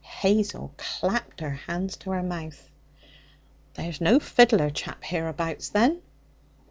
Hazel clapped her hands to her mouth. 'There's no fiddler chap hereabouts, then?'